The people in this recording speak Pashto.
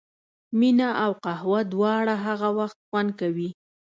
مینه او قهوه دواړه هغه وخت خوند کوي.